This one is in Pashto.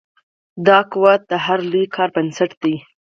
دا قوت د هر لوی کار بنسټ دی.